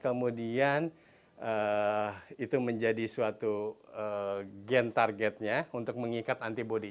kemudian itu menjadi suatu gen targetnya untuk mengikat antibody